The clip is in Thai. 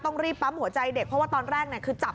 ต้องรีบปั๊มหัวใจเด็กเพราะว่าตอนแรกคือจับ